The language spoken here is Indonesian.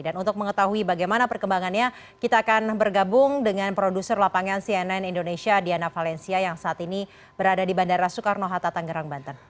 dan untuk mengetahui bagaimana perkembangannya kita akan bergabung dengan produser lapangan cnn indonesia diana valencia yang saat ini berada di bandara soekarno hatta tangerang banten